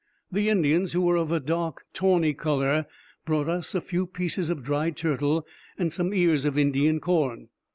The Indians, who were of a dark tawny color, brought us a few pieces of dried turtle and some ears of Indian corn.